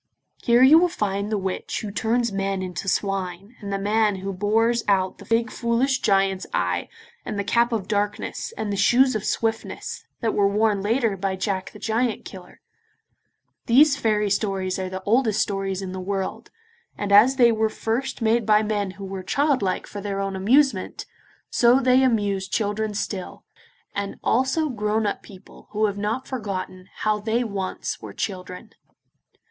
Here you will find the witch who turns men into swine, and the man who bores out the big foolish giant's eye, and the cap of darkness, and the shoes of swiftness, that were worn later by Jack the Giant Killer. These fairy tales are the oldest stories in the world, and as they were first made by men who were childlike for their own amusement, so they amuse children still, and also grown up people who have not forgotten how they once were children.